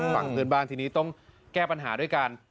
ฝั่งเพื่อนบ้านทีนี้ต้องแก้ปัญหาด้วยกัน